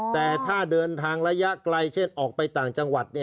แต่ถ้าเดินทางระยะไกลเช่นออกไปต่างจังหวัด